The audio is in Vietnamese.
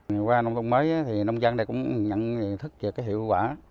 ngày qua nông thông mới thì nông dân này cũng nhận thức về cái hiệu quả